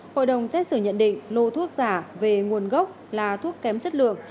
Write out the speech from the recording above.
hội đồng xét xử nhận định lô thuốc giả về nguồn gốc là thuốc kém chất lượng